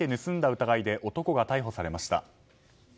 疑いで男が逮捕されました。